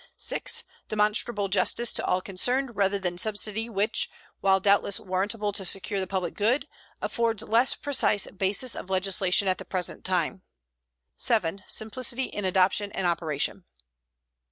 6. Demonstrable justice to all concerned, rather than subsidy which, while doubtless warrantable to secure the public good, affords less precise basis of legislation at the present time. 7. Simplicity in adoption and operation.